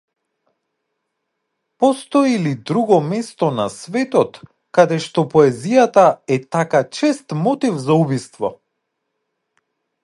Постои ли друго место на светот кадешто поезијата е така чест мотив за убиство?